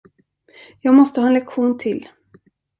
Jag måste ha en lektion till.